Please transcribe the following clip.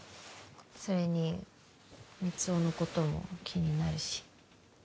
それに満男のことも気になるし